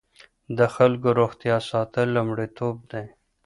د خلکو روغتیا ساتل لومړیتوب دی.